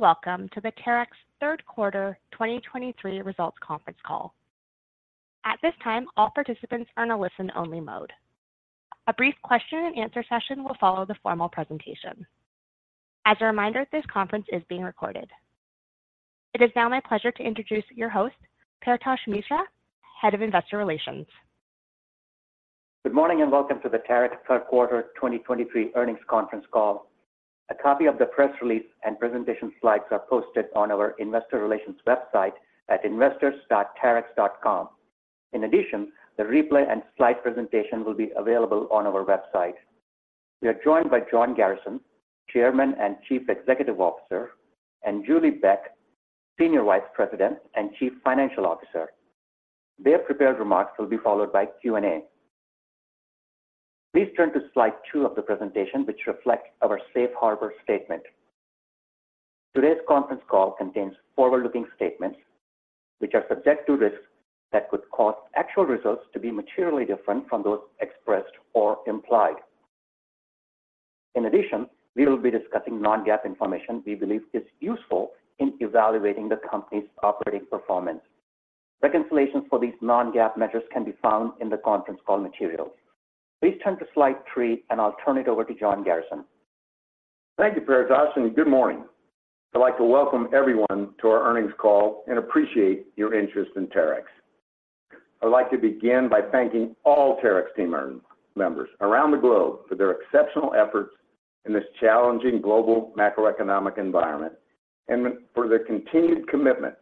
Greetings, and welcome to the Terex third quarter 2023 results conference call. At this time, all participants are in a listen-only mode. A brief question and answer session will follow the formal presentation. As a reminder, this conference is being recorded. It is now my pleasure to introduce your host, Paretosh Misra, Head of Investor Relations. Good morning, and welcome to the Terex third quarter 2023 earnings conference call. A copy of the press release and presentation slides are posted on our investor relations website at investors.terex.com. In addition, the replay and slide presentation will be available on our website. We are joined by John Garrison, Chairman and Chief Executive Officer, and Julie Beck, Senior Vice President and Chief Financial Officer. Their prepared remarks will be followed by Q&A. Please turn to slide two of the presentation, which reflects our safe harbor statement. Today's conference call contains forward-looking statements which are subject to risks that could cause actual results to be materially different from those expressed or implied. In addition, we will be discussing Non-GAAP information we believe is useful in evaluating the company's operating performance. Reconciliations for these Non-GAAP measures can be found in the conference call materials. Please turn to slide three, and I'll turn it over to John Garrison. Thank you, Paretosh, and good morning. I'd like to welcome everyone to our earnings call and appreciate your interest in Terex. I'd like to begin by thanking all Terex team members around the globe for their exceptional efforts in this challenging global macroeconomic environment and for their continued commitment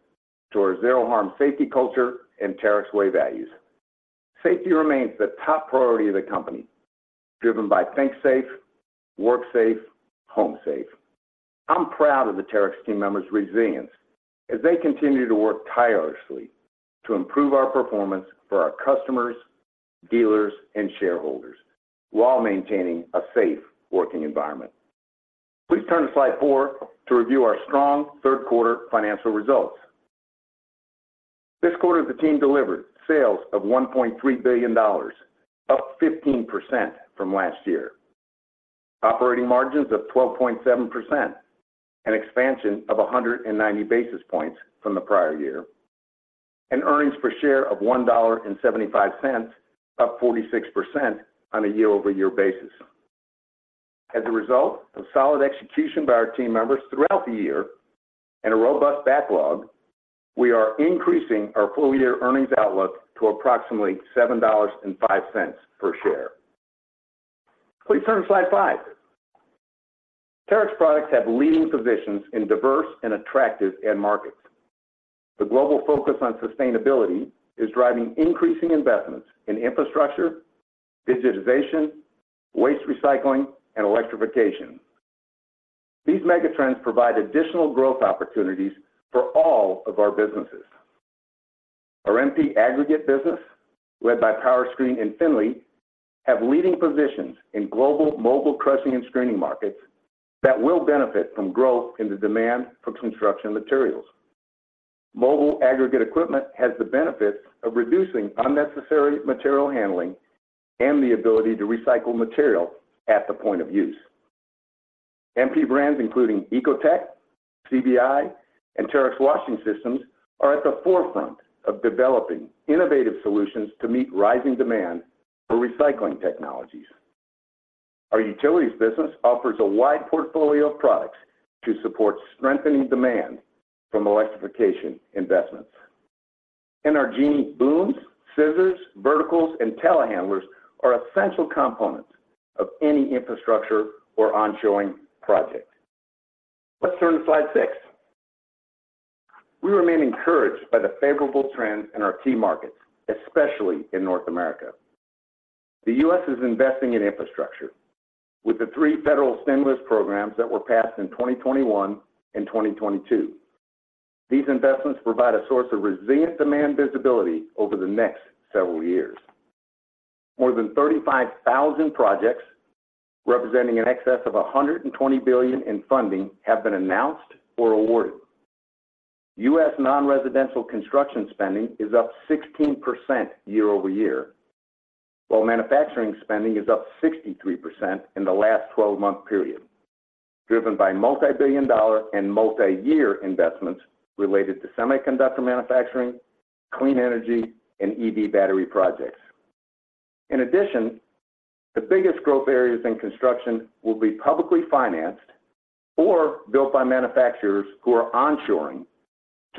to our Zero Harm safety culture and Terex Way values. Safety remains the top priority of the company, driven by Think Safe, Work Safe, Home Safe. I'm proud of the Terex team members' resilience as they continue to work tirelessly to improve our performance for our customers, dealers, and shareholders, while maintaining a safe working environment. Please turn to slide four to review our strong third quarter financial results. This quarter, the team delivered sales of $1.3 billion, up 15% from last year. Operating margins of 12.7%, an expansion of 190 basis points from the prior year, and earnings per share of $1.75, up 46% on a year-over-year basis. As a result of solid execution by our team members throughout the year and a robust backlog, we are increasing our full year earnings outlook to approximately $7.05 per share. Please turn to slide five. Terex products have leading positions in diverse and attractive end markets. The global focus on sustainability is driving increasing investments in infrastructure, digitization, waste recycling, and electrification. These megatrends provide additional growth opportunities for all of our businesses. Our MP aggregate business, led by Powerscreen and Finlay, have leading positions in global mobile crushing and screening markets that will benefit from growth in the demand for construction materials. Mobile aggregate equipment has the benefit of reducing unnecessary material handling and the ability to recycle material at the point of use. MP brands, including Ecotec, CBI, and Terex Washing Systems, are at the forefront of developing innovative solutions to meet rising demand for recycling technologies. Our utilities business offers a wide portfolio of products to support strengthening demand from electrification investments. Genie booms, scissors, verticals, and telehandlers are essential components of any infrastructure or onshoring project. Let's turn to slide six. We remain encouraged by the favorable trends in our key markets, especially in North America. The U.S. is investing in infrastructure with the three federal stimulus programs that were passed in 2021 and 2022. These investments provide a source of resilient demand visibility over the next several years. More than 35,000 projects, representing an excess of $120 billion in funding, have been announced or awarded. U.S. non-residential construction spending is up 16% year-over-year, while manufacturing spending is up 63% in the last 12-month period, driven by multibillion-dollar and multi-year investments related to semiconductor manufacturing, clean energy, and EV battery projects. In addition, the biggest growth areas in construction will be publicly financed or built by manufacturers who are onshoring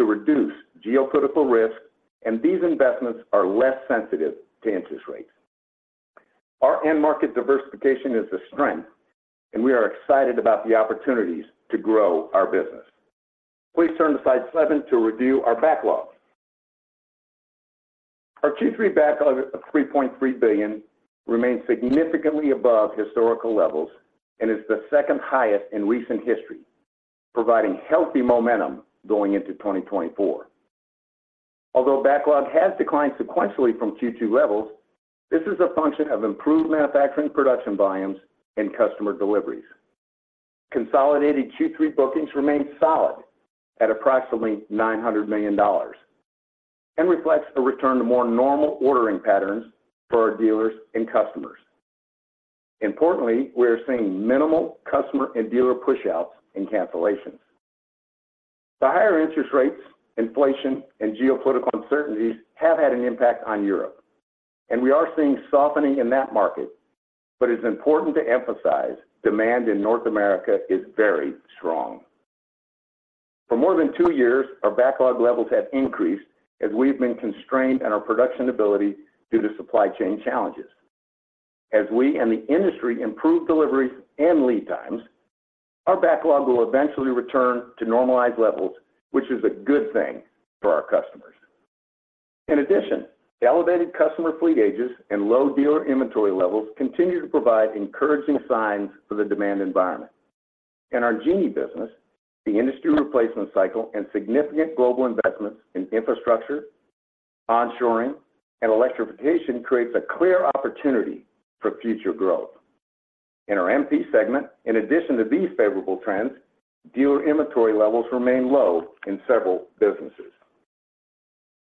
to reduce geopolitical risk, and these investments are less sensitive to interest rates. Our end market diversification is a strength, and we are excited about the opportunities to grow our business. Please turn to slide seven to review our backlog. Our Q3 backlog of $3.3 billion remains significantly above historical levels and is the second highest in recent history, providing healthy momentum going into 2024. Although backlog has declined sequentially from Q2 levels, this is a function of improved manufacturing production volumes and customer deliveries. Consolidated Q3 bookings remain solid at approximately $900 million and reflects a return to more normal ordering patterns for our dealers and customers. Importantly, we are seeing minimal customer and dealer pushouts and cancellations. The higher interest rates, inflation, and geopolitical uncertainties have had an impact on Europe, and we are seeing softening in that market, but it's important to emphasize, demand in North America is very strong. For more than two years, our backlog levels have increased as we've been constrained in our production ability due to supply chain challenges. As we and the industry improve deliveries and lead times, our backlog will eventually return to normalized levels, which is a good thing for our customers. In addition, the elevated customer fleet ages and low dealer inventory levels continue to provide encouraging signs for the demand environment. In our Genie business, the industry replacement cycle and significant global investments in infrastructure, onshoring, and electrification creates a clear opportunity for future growth. In our MP segment, in addition to these favorable trends, dealer inventory levels remain low in several businesses.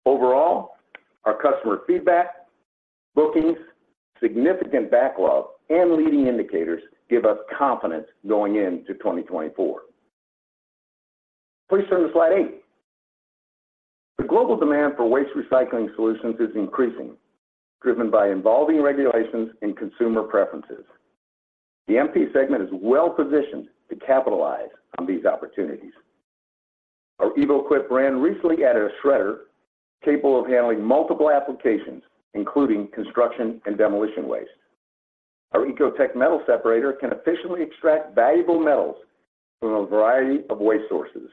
Overall, our customer feedback, bookings, significant backlog, and leading indicators give us confidence going into 2024. Please turn to slide eight. The global demand for waste recycling solutions is increasing, driven by evolving regulations and consumer preferences. The MP segment is well-positioned to capitalize on these opportunities. Our EvoQuip brand recently added a shredder capable of handling multiple applications, including construction and demolition waste. Our Ecotec metal separator can efficiently extract valuable metals from a variety of waste sources.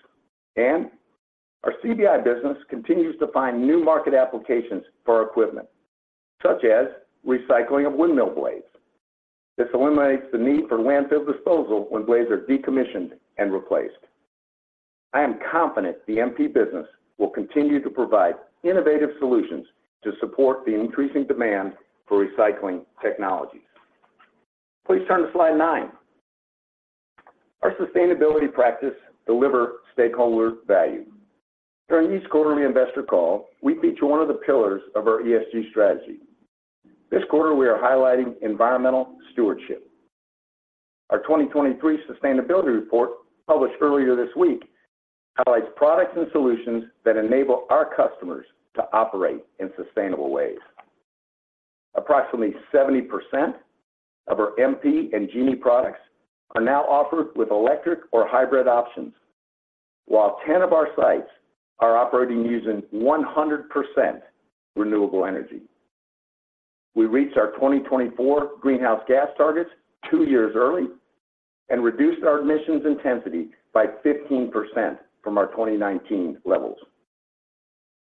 Our CBI business continues to find new market applications for our equipment, such as recycling of windmill blades. This eliminates the need for landfill disposal when blades are decommissioned and replaced. I am confident the MP business will continue to provide innovative solutions to support the increasing demand for recycling technologies. Please turn to slide nine. Our sustainability practice deliver stakeholder value. During each quarterly investor call, we feature one of the pillars of our ESG strategy. This quarter, we are highlighting environmental stewardship. Our 2023 sustainability report, published earlier this week, highlights products and solutions that enable our customers to operate in sustainable ways. Approximately 70% of our MP and Genie products are now offered with electric or hybrid options, while 10 of our sites are operating using 100% renewable energy. We reached our 2024 greenhouse gas targets 2 years early and reduced our emissions intensity by 15% from our 2019 levels.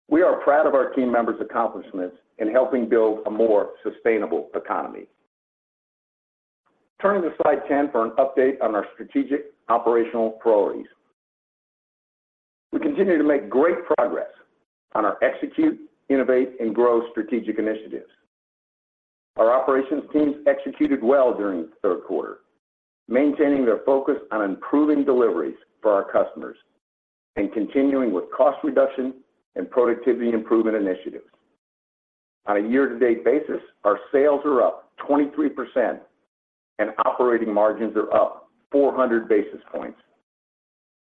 We are proud of our team members' accomplishments in helping build a more sustainable economy. Turning to Slide 10 for an update on our strategic operational priorities. We continue to make great progress on our execute, innovate, and grow strategic initiatives. Our operations teams executed well during the third quarter, maintaining their focus on improving deliveries for our customers and continuing with cost reduction and productivity improvement initiatives. On a year-to-date basis, our sales are up 23% and operating margins are up 400 basis points,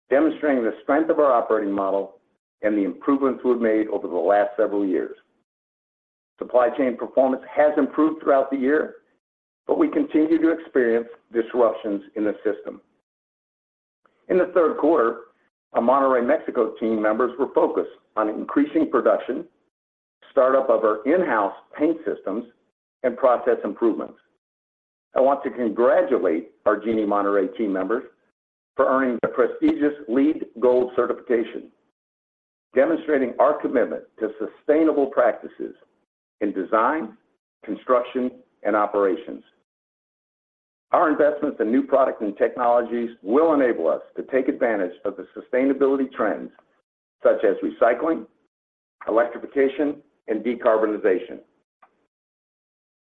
demonstrating the strength of our operating model and the improvements we've made over the last several years. Supply chain performance has improved throughout the year, but we continue to experience disruptions in the system. In the third quarter, our Monterrey, Mexico, team members were focused on increasing production, startup of our in-house paint systems, and process improvements. I want to congratulate our Genie Monterrey team members for earning the prestigious LEED Gold Certification, demonstrating our commitment to sustainable practices in design, construction, and operations. Our investments in new products and technologies will enable us to take advantage of the sustainability trends such as recycling, electrification, and decarbonization.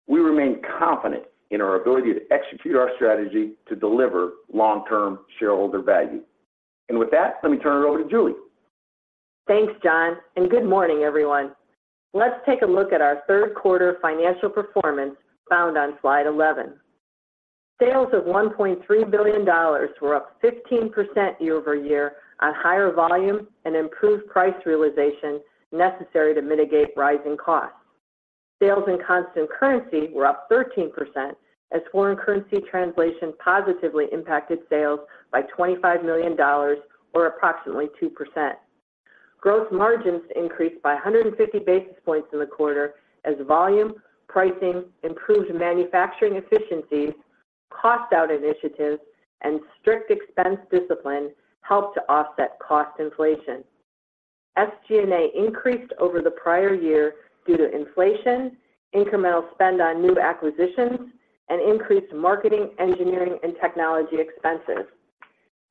We remain confident in our ability to execute our strategy to deliver long-term shareholder value. With that, let me turn it over to Julie. Thanks, John, and good morning, everyone. Let's take a look at our third quarter financial performance found on Slide 11. Sales of $1.3 billion were up 15% year-over-year on higher volume and improved price realization necessary to mitigate rising costs. Sales in constant currency were up 13% as foreign currency translation positively impacted sales by $25 million or approximately 2%. Gross margins increased by 150 basis points in the quarter as volume, pricing, improved manufacturing efficiency, cost out initiatives, and strict expense discipline helped to offset cost inflation. SG&A increased over the prior year due to inflation, incremental spend on new acquisitions, and increased marketing, engineering, and technology expenses.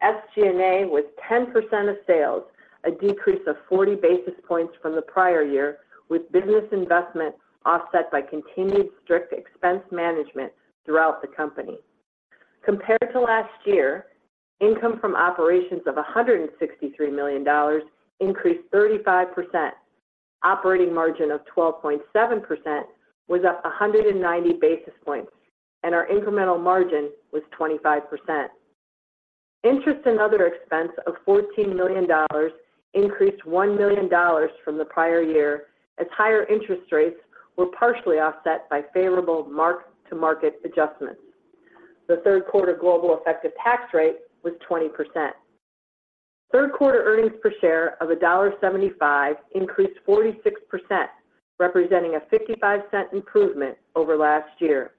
SG&A was 10% of sales, a decrease of 40 basis points from the prior year, with business investment offset by continued strict expense management throughout the company.... Compared to last year, income from operations of $163 million increased 35%. Operating margin of 12.7% was up 190 basis points, and our incremental margin was 25%. Interest and other expense of $14 million increased $1 million from the prior year, as higher interest rates were partially offset by favorable mark-to-market adjustments. The third quarter global effective tax rate was 20%. Third quarter earnings per share of $1.75 increased 46%, representing a $0.55 improvement over last year.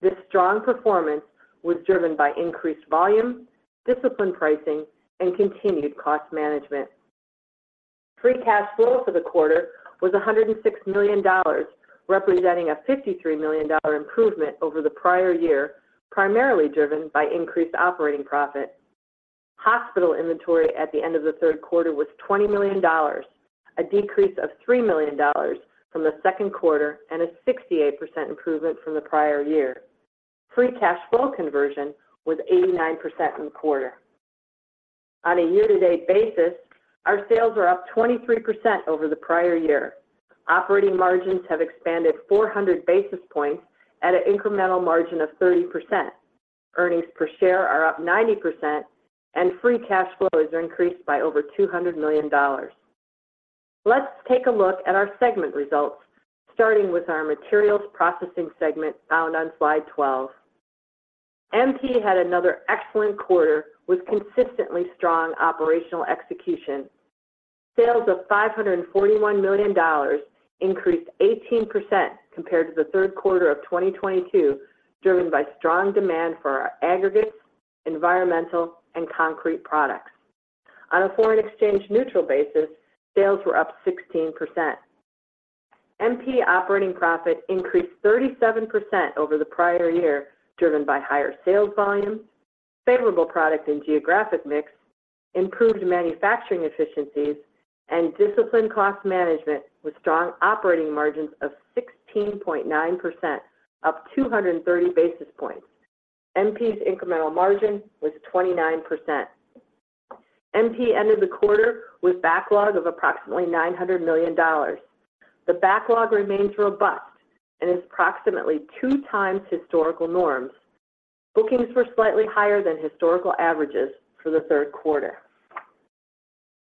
This strong performance was driven by increased volume, disciplined pricing, and continued cost management. Free cash flow for the quarter was $106 million, representing a $53 million improvement over the prior year, primarily driven by increased operating profit. Hospital inventory at the end of the third quarter was $20 million, a decrease of $3 million from the second quarter and a 68% improvement from the prior year. Free cash flow conversion was 89% in the quarter. On a year-to-date basis, our sales are up 23% over the prior year. Operating margins have expanded 400 basis points at an incremental margin of 30%. Earnings per share are up 90%, and free cash flow has increased by over $200 million. Let's take a look at our segment results, starting with our materials processing segment found on Slide 12. MP had another excellent quarter with consistently strong operational execution. Sales of $541 million increased 18% compared to the third quarter of 2022, driven by strong demand for our aggregates, environmental, and concrete products. On a foreign exchange neutral basis, sales were up 16%. MP operating profit increased 37% over the prior year, driven by higher sales volumes, favorable product and geographic mix, improved manufacturing efficiencies, and disciplined cost management, with strong operating margins of 16.9%, up 230 basis points. MP's incremental margin was 29%. MP ended the quarter with backlog of approximately $900 million. The backlog remains robust and is approximately 2 times historical norms. Bookings were slightly higher than historical averages for the third quarter.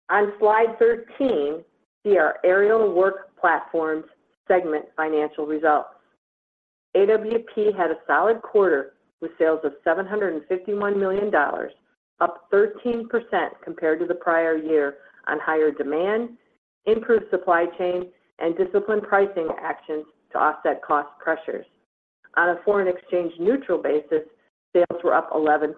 On Slide 13, see our aerial work platforms segment financial results. AWP had a solid quarter with sales of $751 million, up 13% compared to the prior year on higher demand, improved supply chain, and disciplined pricing actions to offset cost pressures. On a foreign exchange neutral basis, sales were up 11%.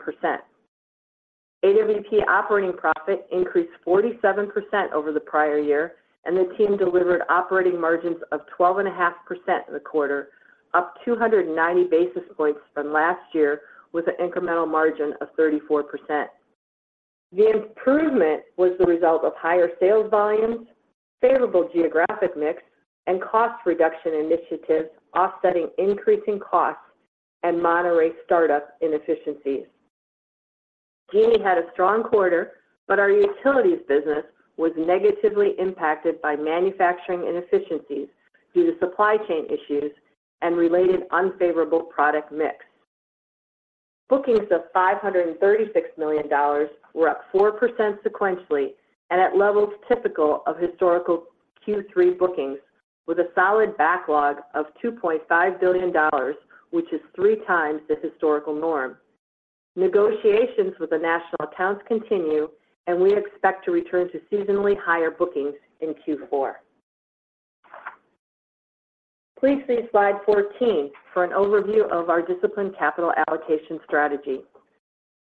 AWP operating profit increased 47% over the prior year, and the team delivered operating margins of 12.5% in the quarter, up 290 basis points from last year, with an incremental margin of 34%. The improvement was the result of higher sales volumes, favorable geographic mix, and cost reduction initiatives, offsetting increasing costs and Monterrey startup inefficiencies. Genie had a strong quarter, but our utilities business was negatively impacted by manufacturing inefficiencies due to supply chain issues and related unfavorable product mix. Bookings of $536 million were up 4% sequentially and at levels typical of historical Q3 bookings, with a solid backlog of $2.5 billion, which is 3x the historical norm. Negotiations with the national accounts continue, and we expect to return to seasonally higher bookings in Q4. Please see Slide 14 for an overview of our disciplined capital allocation strategy.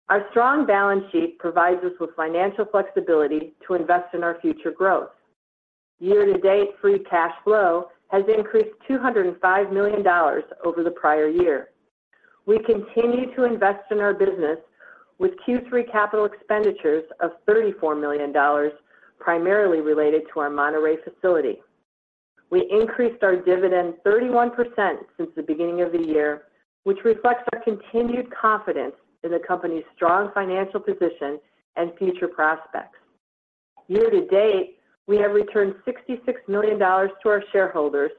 Our strong balance sheet provides us with financial flexibility to invest in our future growth. Year-to-date, free cash flow has increased $205 million over the prior year. We continue to invest in our business with Q3 capital expenditures of $34 million, primarily related to our Monterrey facility. We increased our dividend 31% since the beginning of the year, which reflects our continued confidence in the company's strong financial position and future prospects. Year-to-date, we have returned $66 million to our shareholders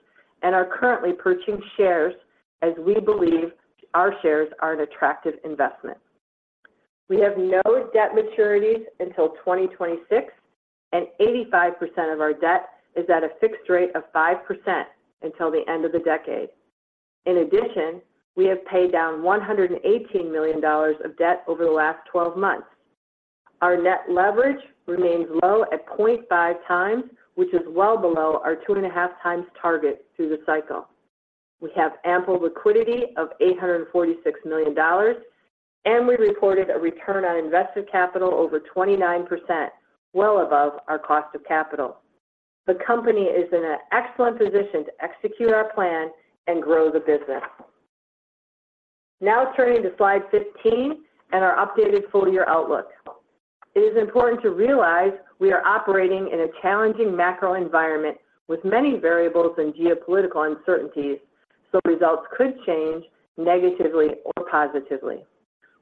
and are currently purchasing shares as we believe our shares are an attractive investment. We have no debt maturities until 2026, and 85% of our debt is at a fixed rate of 5% until the end of the decade. In addition, we have paid down $118 million of debt over the last 12 months. Our net leverage remains low at 0.5x, which is well below our 2.5x target through the cycle. We have ample liquidity of $846 million, and we reported a return on invested capital over 29%, well above our cost of capital. The company is in an excellent position to execute our plan and grow the business. Now turning to Slide 15 and our updated full-year outlook. It is important to realize we are operating in a challenging macro environment with many variables and geopolitical uncertainties, so results could change negatively or positively.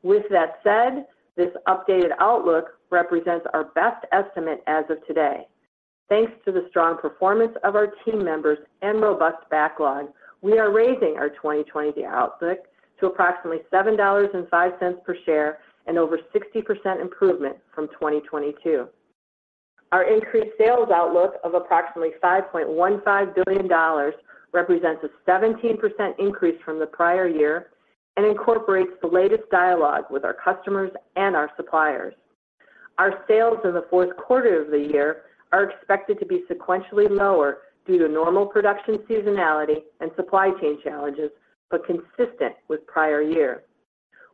With that said, this updated outlook represents our best estimate as of today. Thanks to the strong performance of our team members and robust backlog, we are raising our 2020 outlook to approximately $7.05 per share and over 60% improvement from 2022. Our increased sales outlook of approximately $5.15 billion represents a 17% increase from the prior year and incorporates the latest dialogue with our customers and our suppliers. Our sales in the fourth quarter of the year are expected to be sequentially lower due to normal production seasonality and supply chain challenges, but consistent with prior year.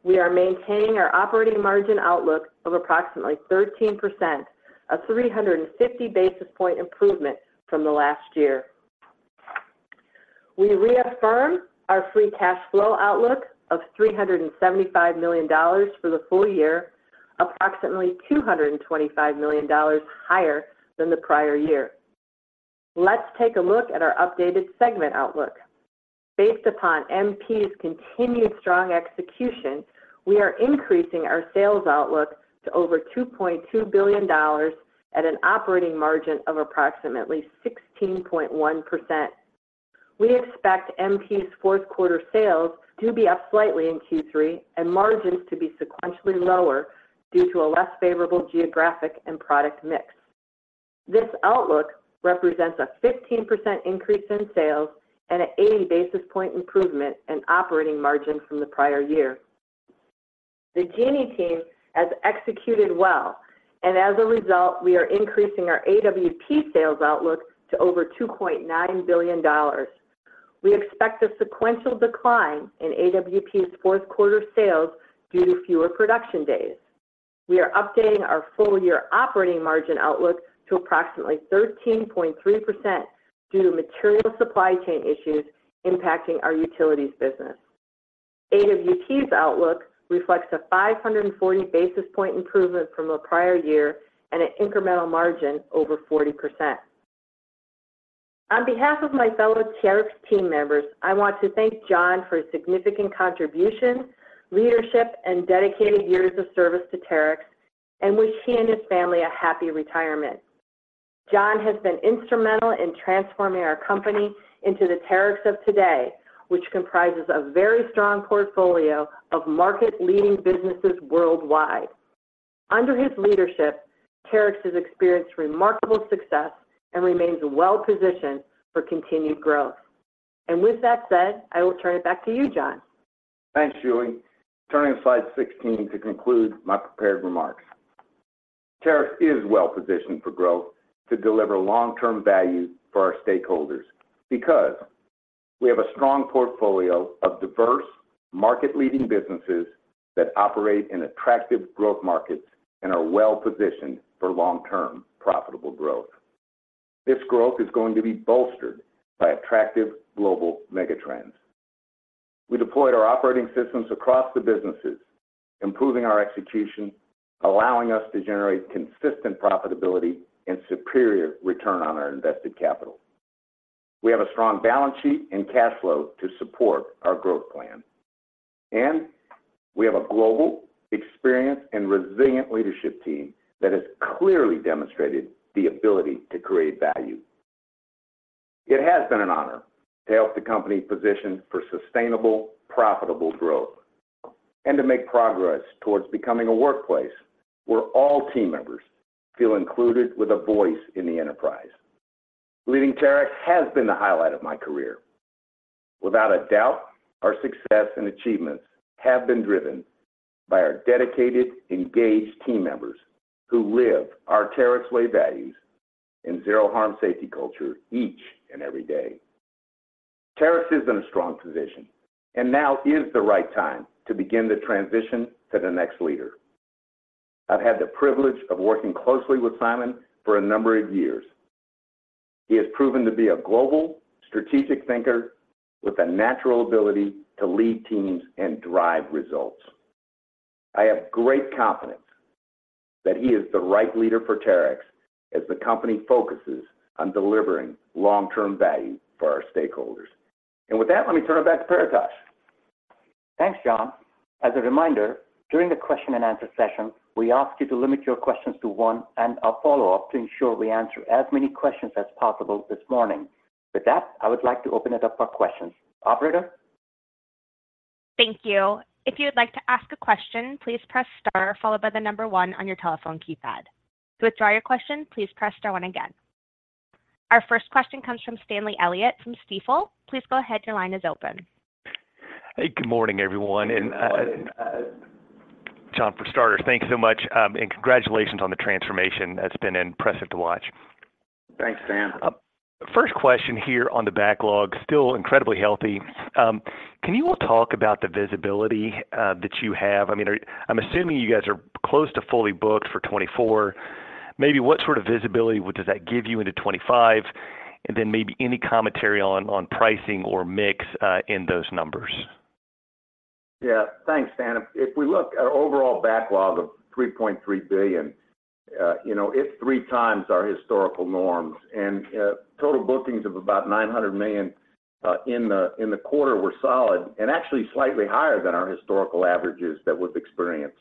We are maintaining our operating margin outlook of approximately 13%, a 350 basis point improvement from the last year. We reaffirm our free cash flow outlook of $375 million for the full year, approximately $225 million higher than the prior year. Let's take a look at our updated segment outlook. Based upon MP's continued strong execution, we are increasing our sales outlook to over $2.2 billion at an operating margin of approximately 16.1%. We expect MP's fourth quarter sales to be up slightly in Q3 and margins to be sequentially lower due to a less favorable geographic and product mix. This outlook represents a 15% increase in sales and an 80 basis point improvement in operating margin from the prior year. The Genie team has executed well, and as a result, we are increasing our AWP sales outlook to over $2.9 billion. We expect a sequential decline in AWP's fourth quarter sales due to fewer production days. We are updating our full year operating margin outlook to approximately 13.3% due to material supply chain issues impacting our utilities business. AWP's outlook reflects a 540 basis point improvement from the prior year and an incremental margin over 40%. On behalf of my fellow Terex team members, I want to thank John for his significant contribution, leadership, and dedicated years of service to Terex, and wish he and his family a happy retirement. John has been instrumental in transforming our company into the Terex of today, which comprises a very strong portfolio of market-leading businesses worldwide. Under his leadership, Terex has experienced remarkable success and remains well positioned for continued growth. With that said, I will turn it back to you, John. Thanks, Julie. Turning to Slide 16 to conclude my prepared remarks. Terex is well positioned for growth to deliver long-term value for our stakeholders because we have a strong portfolio of diverse, market-leading businesses that operate in attractive growth markets and are well positioned for long-term profitable growth. This growth is going to be bolstered by attractive global megatrends. We deployed our operating systems across the businesses, improving our execution, allowing us to generate consistent profitability and superior return on our invested capital. We have a strong balance sheet and cash flow to support our growth plan, and we have a global, experienced, and resilient leadership team that has clearly demonstrated the ability to create value. It has been an honor to help the company position for sustainable, profitable growth and to make progress towards becoming a workplace where all team members feel included with a voice in the enterprise. Leading Terex has been the highlight of my career. Without a doubt, our success and achievements have been driven by our dedicated, engaged team members who live our Terex way values and Zero Harm safety culture each and every day. Terex is in a strong position, and now is the right time to begin the transition to the next leader. I've had the privilege of working closely with Simon for a number of years. He has proven to be a global, strategic thinker with a natural ability to lead teams and drive results. I have great confidence that he is the right leader for Terex as the company focuses on delivering long-term value for our stakeholders. With that, let me turn it back to Paretosh. Thanks, John. As a reminder, during the question and answer session, we ask you to limit your questions to one and a follow-up to ensure we answer as many questions as possible this morning. With that, I would like to open it up for questions. Operator? Thank you. If you would like to ask a question, please press star followed by the number one on your telephone keypad. To withdraw your question, please press star one again. Our first question comes from Stanley Elliott from Stifel. Please go ahead. Your line is open. Hey, good morning, everyone. Good morning. John, for starters, thank you so much, and congratulations on the transformation. It's been impressive to watch. Thanks, Stan. First question here on the backlog, still incredibly healthy. Can you all talk about the visibility that you have? I mean, I'm assuming you guys are close to fully booked for 2024. Maybe what sort of visibility would does that give you into 2025? And then maybe any commentary on, on pricing or mix in those numbers?... Yeah, thanks, Dan. If we look at our overall backlog of $3.3 billion, you know, it's 3x our historical norms. Total bookings of about $900 million in the quarter were solid and actually slightly higher than our historical averages that we've experienced.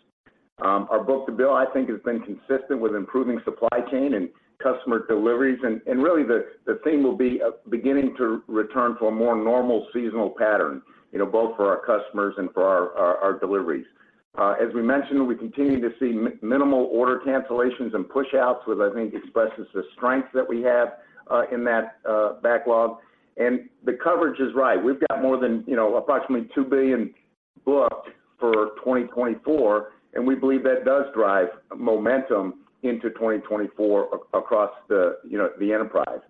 Our Book-to-Bill, I think, has been consistent with improving supply chain and customer deliveries. And really, the theme will be beginning to return to a more normal seasonal pattern, you know, both for our customers and for our deliveries. As we mentioned, we continue to see minimal order cancellations and pushouts, which I think expresses the strength that we have in that backlog. And the coverage is right. We've got more than, you know, approximately $2 billion booked for 2024, and we believe that does drive momentum into 2024 across the, you know, the enterprise.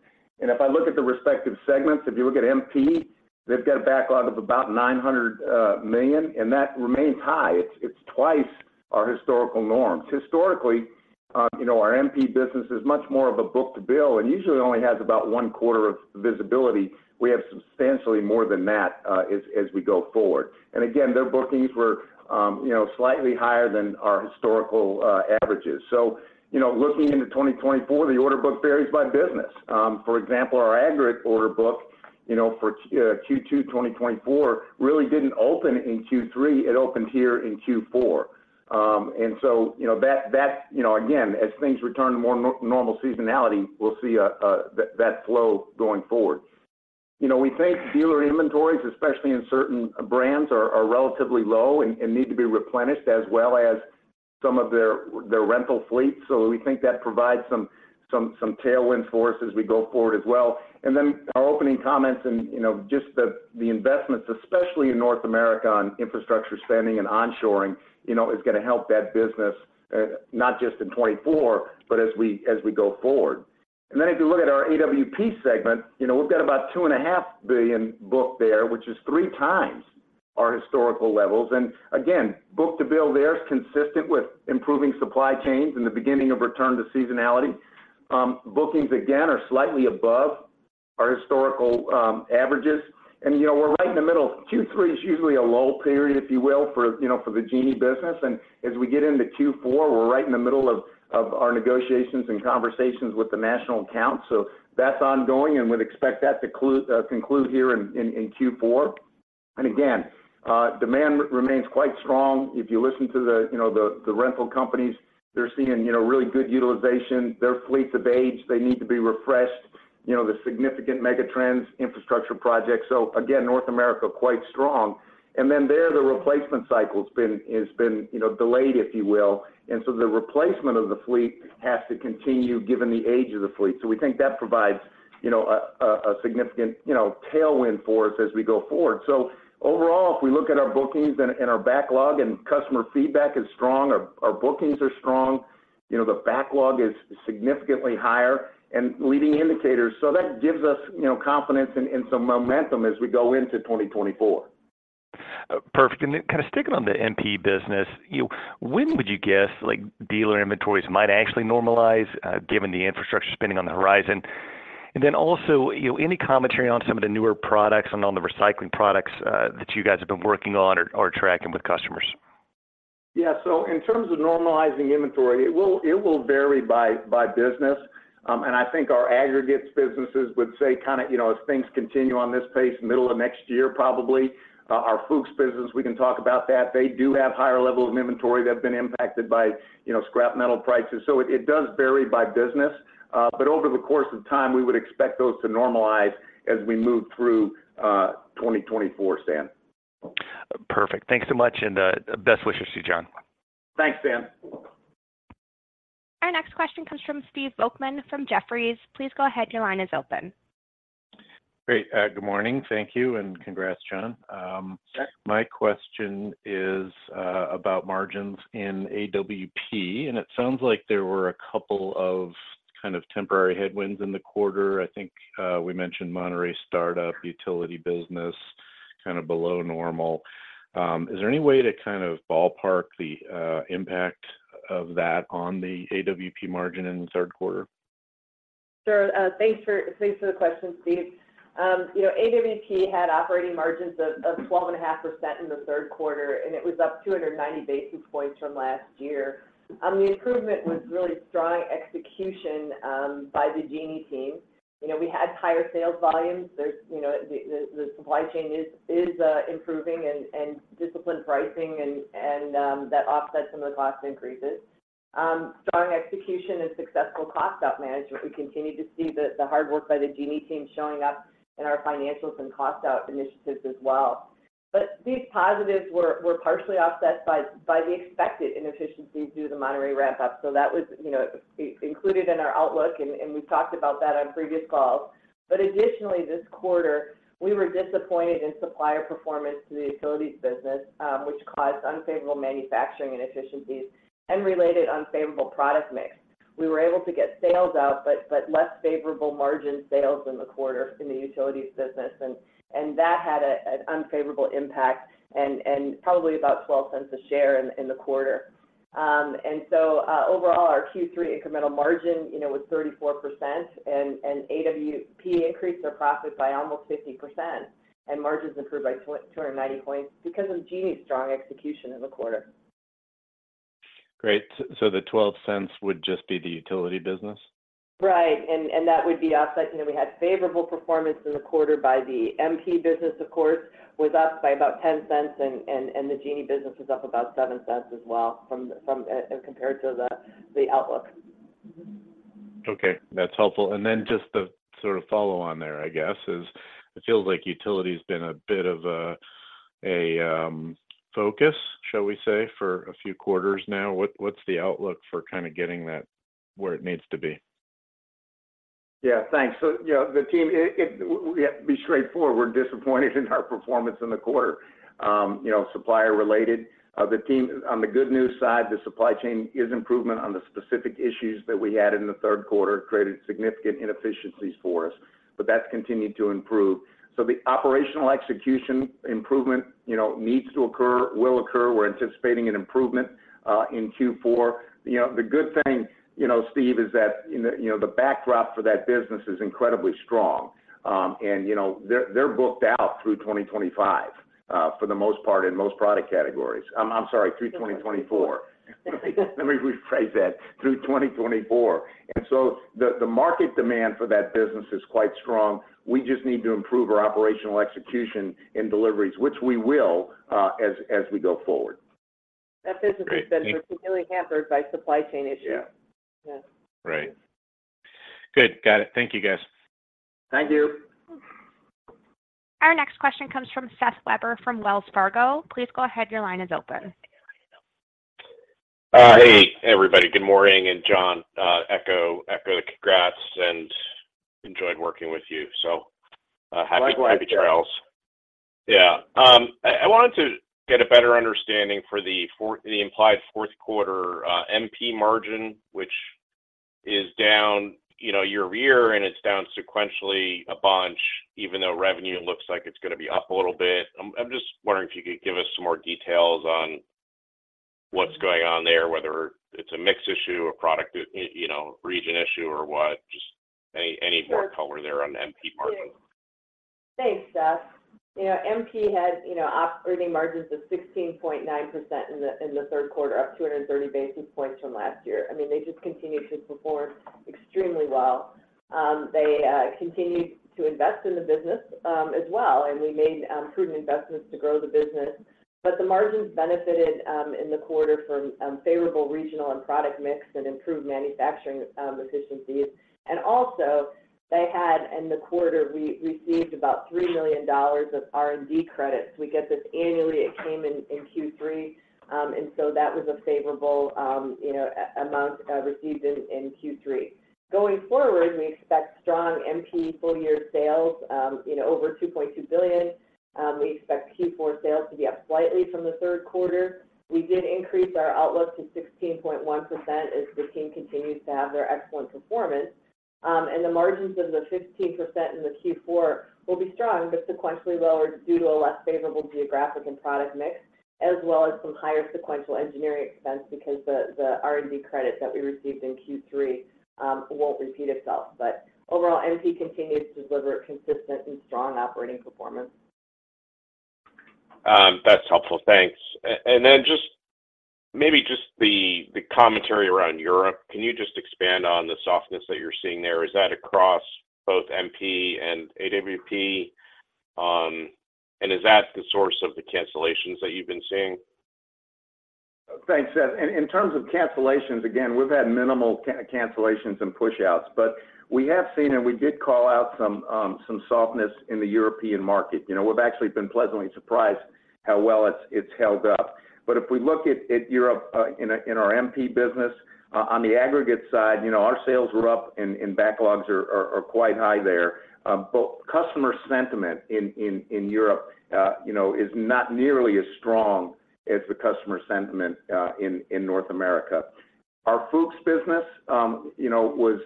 If I look at the respective segments, if you look at MP, they've got a backlog of about $900 million, and that remains high. It's twice our historical norms. Historically, you know, our MP business is much more of a book-to-bill, and usually only has about one quarter of visibility. We have substantially more than that, as we go forward. Again, their bookings were, you know, slightly higher than our historical averages. So, you know, looking into 2024, the order book varies by business. For example, our aggregate order book, you know, for Q2 2024, really didn't open in Q3. It opened here in Q4. You know, that, that's, you know, again, as things return to more normal seasonality, we'll see that, that flow going forward. You know, we think dealer inventories, especially in certain brands, are, are relatively low and need to be replenished, as well as some of their rental fleets. We think that provides some tailwind for us as we go forward as well. In our opening comments and, you know, just the investments, especially in North America, on infrastructure spending and onshoring, you know, is gonna help that business, not just in 2024, but as we go forward. If you look at our AWP segment, we've got about $2.5 billion booked there, which is 3xour historical levels. And again, Book-to-Bill there is consistent with improving supply chains and the beginning of return to seasonality. Bookings, again, are slightly above our historical averages. And, you know, we're right in the middle. Q3 is usually a lull period, if you will, for, you know, for the Genie business. And as we get into Q4, we're right in the middle of our negotiations and conversations with the national accounts. So that's ongoing, and we'd expect that to conclude here in Q4. And again, demand remains quite strong. If you listen to the, you know, the, the rental companies, they're seeing, you know, really good utilization. Their fleets have aged. They need to be refreshed. You know, the significant megatrends infrastructure projects. So again, North America, quite strong. And then there, the replacement cycle has been, you know, delayed, if you will. And so the replacement of the fleet has to continue, given the age of the fleet. So we think that provides, you know, a significant, you know, tailwind for us as we go forward. So overall, if we look at our bookings and our backlog, and customer feedback is strong, our bookings are strong. You know, the backlog is significantly higher and leading indicators. So that gives us, you know, confidence and some momentum as we go into 2024. Perfect. And then kind of sticking on the MP business, you know, when would you guess, like, dealer inventories might actually normalize, given the infrastructure spending on the horizon? And then also, you know, any commentary on some of the newer products and on the recycling products, that you guys have been working on or, or tracking with customers? Yeah. So in terms of normalizing inventory, it will, it will vary by, by business. And I think our aggregates businesses would say kind of, you know, as things continue on this pace, middle of next year, probably. Our Fuchs business, we can talk about that. They do have higher levels of inventory that have been impacted by, you know, scrap metal prices. So it, it does vary by business, but over the course of time, we would expect those to normalize as we move through 2024, Stan. Perfect. Thanks so much, and best wishes to you, John. Thanks, Dan. Our next question comes from Steve Volkmann from Jefferies. Please go ahead. Your line is open. Great. Good morning. Thank you, and congrats, John. Sure. My question is, about margins in AWP, and it sounds like there were a couple of kind of temporary headwinds in the quarter. I think, we mentioned Monterrey startup, utility business, kind of below normal. Is there any way to kind of ballpark the, impact of that on the AWP margin in the third quarter? Sure. Thanks for the question, Steve. You know, AWP had operating margins of 12.5% in the third quarter, and it was up 290 basis points from last year. The improvement was really strong execution by the Genie team. You know, we had higher sales volumes. The supply chain is improving and disciplined pricing and that offset some of the cost increases. Strong execution and successful cost out management. We continue to see the hard work by the Genie team showing up in our financials and cost out initiatives as well. But these positives were partially offset by the expected inefficiencies due to the Monterrey ramp-up. So that was, you know, included in our outlook, and we've talked about that on previous calls. But additionally, this quarter, we were disappointed in supplier performance to the Utilities business, which caused unfavorable manufacturing inefficiencies and related unfavorable product mix. We were able to get sales up, but less favorable margin sales in the quarter in the Utilities business, and that had an unfavorable impact and probably about $0.12 a share in the quarter. Overall, our Q3 incremental margin, you know, was 34%, and AWP increased their profit by almost 50%, and margins improved by 290 points because of Genie's strong execution in the quarter. Great. So the $0.12 would just be the utility business? Right. And that would be offset. You know, we had favorable performance in the quarter by the MP business, of course, with us by about $0.10, and the Genie business was up about $0.07 as well from the, from as compared to the outlook. Okay, that's helpful. And then just the sort of follow on there, I guess, is it feels like utility's been a bit of a focus, shall we say, for a few quarters now. What's the outlook for kind of getting that where it needs to be? Yeah, thanks. So, you know, the team, we have to be straightforward. We're disappointed in our performance in the quarter, you know, supplier related. The team— On the good news side, the supply chain is improvement on the specific issues that we had in the third quarter, created significant inefficiencies for us, but that's continued to improve. So the operational execution improvement, you know, needs to occur, will occur. We're anticipating an improvement, in Q4. You know, the good thing, you know, Steve, is that, you know, the backdrop for that business is incredibly strong. And, you know, they're booked out through 2025, for the most part, in most product categories. I'm sorry, through 2024. Let me rephrase that, through 2024. And so the market demand for that business is quite strong. We just need to improve our operational execution and deliveries, which we will, as we go forward. That business- Great, thank- has been particularly hampered by supply chain issues. Yeah. Yeah. Right. Good. Got it. Thank you, guys. Thank you. Our next question comes from Seth Weber from Wells Fargo. Please go ahead. Your line is open. Hey, everybody. Good morning, and John, I echo the congrats and enjoyed working with you. So, Likewise... happy trails. Yeah. I wanted to get a better understanding for the implied fourth quarter MP margin, which is down, you know, year-over-year, and it's down sequentially a bunch, even though revenue looks like it's gonna be up a little bit. I'm just wondering if you could give us some more details on what's going on there, whether it's a mix issue, a product, you know, region issue or what? Just any more color there on the MP margin. Thanks, Seth. You know, MP had, you know, operating margins of 16.9% in the third quarter, up 230 basis points from last year. I mean, they just continued to perform extremely well. They continued to invest in the business, as well, and we made prudent investments to grow the business. But the margins benefited in the quarter from favorable regional and product mix and improved manufacturing efficiencies. And also, they had, in the quarter, we received about $3 million of R&D credits. We get this annually. It came in Q3, and so that was a favorable, you know, amount received in Q3. Going forward, we expect strong MP full year sales, you know, over $2.2 billion. We expect Q4 sales to be up slightly from the third quarter. We did increase our outlook to 16.1% as the team continues to have their excellent performance. And the margins of the 15% in the Q4 will be strong, but sequentially lower due to a less favorable geographic and product mix, as well as some higher sequential engineering expense, because the R&D credit that we received in Q3 won't repeat itself. But overall, MP continues to deliver consistent and strong operating performance. That's helpful. Thanks. And then just, maybe just the, the commentary around Europe. Can you just expand on the softness that you're seeing there? Is that across both MP and AWP? And is that the source of the cancellations that you've been seeing? Thanks, Seth. In terms of cancellations, again, we've had minimal cancellations and pushouts, but we have seen, and we did call out some softness in the European market. You know, we've actually been pleasantly surprised how well it's held up. But if we look at Europe, in our MP business, on the aggregate side, you know, our sales were up and backlogs are quite high there. But customer sentiment in Europe, you know, is not nearly as strong as the customer sentiment in North America. Our Fuchs business, you know, was...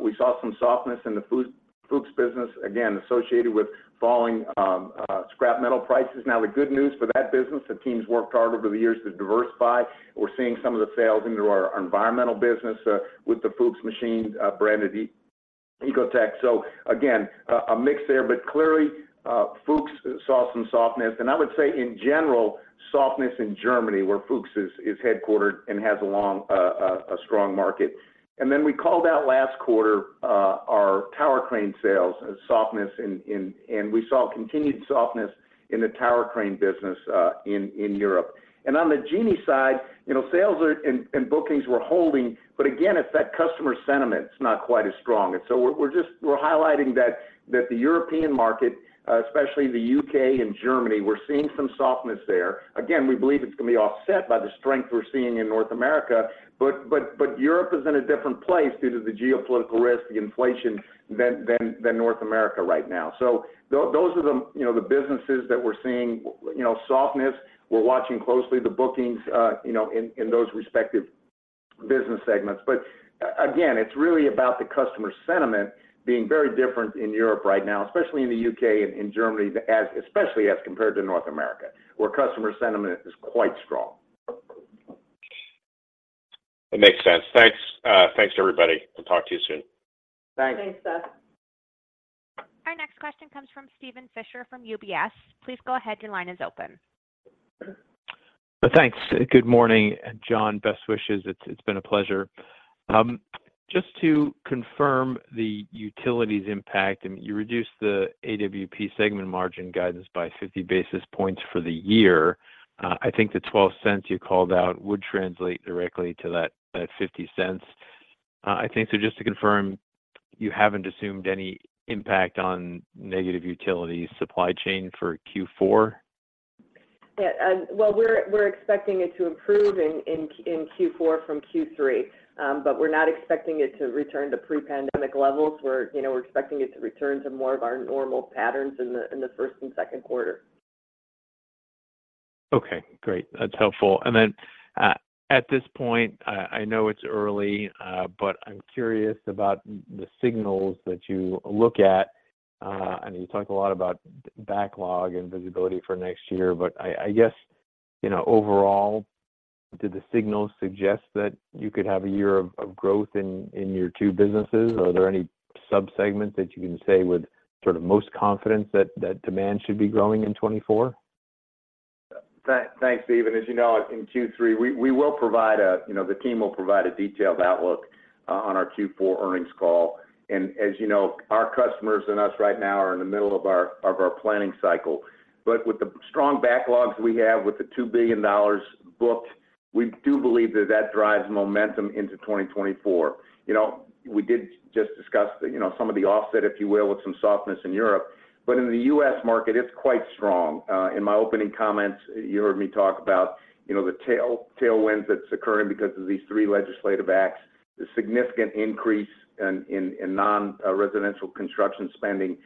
We saw some softness in the Fuchs business, again, associated with falling scrap metal prices. Now, the good news for that business, the team's worked hard over the years to diversify. We're seeing some of the sales into our environmental business, with the Fuchs machine, brand of Ecotec. So again, a mix there, but clearly, Fuchs saw some softness, and I would say, in general, softness in Germany, where Fuchs is headquartered and has a long, a strong market. We called out last quarter, our tower crane sales softness in, and we saw continued softness in the tower crane business in Europe. On the Genie side, you know, sales are-- and, and bookings were holding, but again, it's that customer sentiment is not quite as strong. We're just-- we're highlighting that, that the European market, especially the U.K. and Germany, we're seeing some softness there. Again, we believe it's gonna be offset by the strength we're seeing in North America, but Europe is in a different place due to the geopolitical risk, the inflation than North America right now. Those are the, you know, the businesses that we're seeing, you know, softness. We're watching closely the bookings, you know, in those respective markets... business segments. Again, it's really about the customer sentiment being very different in Europe right now, especially in the U.K. and in Germany, especially as compared to North America, where customer sentiment is quite strong. It makes sense. Thanks, thanks, everybody, and talk to you soon. Thanks. Thanks, Seth. Our next question comes from Steven Fisher from UBS. Please go ahead. Your line is open. Thanks. Good morning, John. Best wishes. It's been a pleasure. Just to confirm the utilities impact, and you reduced the AWP segment margin guidance by 50 basis points for the year. I think the $0.12 you called out would translate directly to that $0.50. So just to confirm, you haven't assumed any impact on negative utilities supply chain for Q4? Yeah, well, we're expecting it to improve in Q4 from Q3, but we're not expecting it to return to pre-pandemic levels. We're, you know, expecting it to return to more of our normal patterns in the first and second quarter. Okay, great. That's helpful. And then, at this point, I know it's early, but I'm curious about the signals that you look at. I know you talked a lot about backlog and visibility for next year, but I guess, you know, overall, did the signals suggest that you could have a year of growth in your two businesses? Are there any subsegments that you can say with sort of most confidence that demand should be growing in 2024? Thanks, Steven. As you know, in Q3, we will provide a... You know, the team will provide a detailed outlook on our Q4 earnings call. As you know, our customers and us right now are in the middle of our planning cycle. With the strong backlogs we have, with the $2 billion booked, we do believe that that drives momentum into 2024. You know, we did just discuss the, you know, some of the offset, if you will, with some softness in Europe, but in the U.S. market, it's quite strong. In my opening comments, you heard me talk about, you know, the tailwinds that's occurring because of these three legislative acts, the significant increase in non-residential construction spending.